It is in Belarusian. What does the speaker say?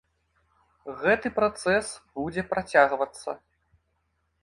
Гэты працэс будзе працягвацца.